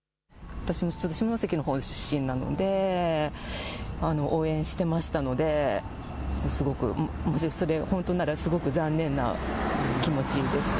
私も下関のほうの出身なので応援してましたので本当ならすごく残念な気持ちです。